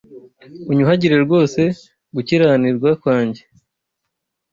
Unyuhagire rwose gukiranirwa kwanjye